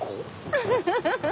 フフフフ！